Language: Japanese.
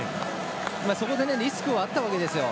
そこでリスクはあったわけですよ。